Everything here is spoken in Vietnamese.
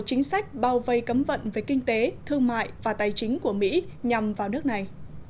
siga cuba bao vây cấm vận với kinh tế thương mại và tài chính của mỹ nhằm vào nước này